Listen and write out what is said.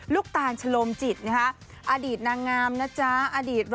ลูกตาลชโลมจิตนะคะอดีตน่างามนะจ๊ะอดีต